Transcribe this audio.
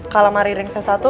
calamari ring set satu